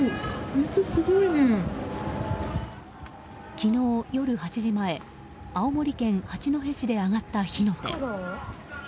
昨日夜８時前青森県八戸市で上がった火の手。